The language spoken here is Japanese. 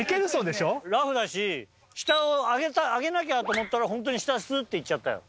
ラフだし下を上げなきゃと思ったらホントに下スって行っちゃったよ。